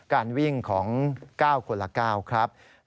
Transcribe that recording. การวิ่งของ๙คนละ๙ครับ